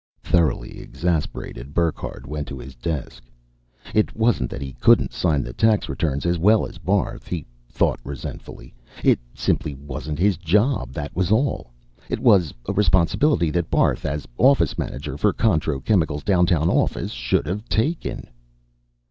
Thoroughly exasperated, Burckhardt went to his desk. It wasn't that he couldn't sign the tax returns as well as Barth, he thought resentfully. It simply wasn't his job, that was all; it was a responsibility that Barth, as office manager for Contro Chemicals' downtown office, should have taken.